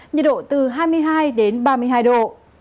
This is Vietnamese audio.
nhiệt độ từ hai mươi hai đến ba mươi hai độ